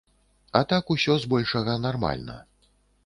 А так усё збольшага нармальна.